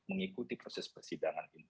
mengikuti proses persidangan ini